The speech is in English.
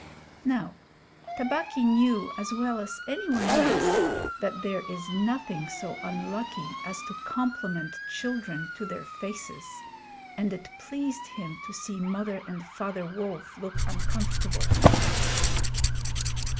Now, Tabaqui knew as well as any one else that there is nothing so unlucky as to compliment children to their faces; and it pleased him to see Mother and Father Wolf look uncomfortable.